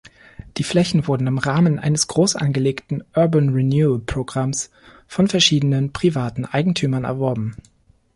Die Flächen wurden im Rahmen eines großangelegten "Urban Renewal"-Programms von verschiedenen privaten Eigentümern erworben.